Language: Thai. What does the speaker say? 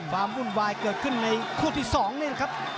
วุ่นวายเกิดขึ้นในคู่ที่๒นี่นะครับ